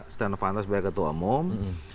stand of honor sebagai ketua umum